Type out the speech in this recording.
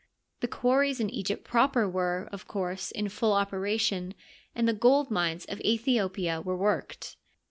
The quarries in Egypt proper were, of course, in full operation, and the gold mines of Aethiopia were worked.